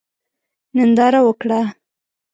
ننداره وکړه.